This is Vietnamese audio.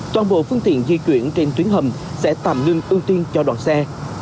toàn bộ phương tiện di chuyển trên tuyến hầm sẽ tạm ngưng ưu tiên cho đoàn xe